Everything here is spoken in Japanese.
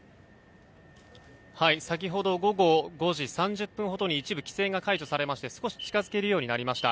先ほど午後５時３０分ほどに一部規制が解除されまして少し近づけるようになりました。